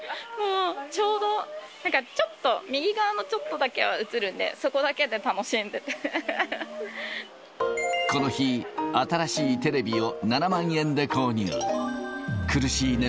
ちょうど、なんかちょっと右側のちょっとだけは映るんで、この日、新しいテレビを７万円で購入。